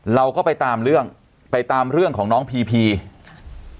เราก็ไปตามเรื่องไปตามเรื่องของน้องพีพีค่ะ